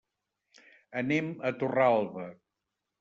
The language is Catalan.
Anem a Torralba.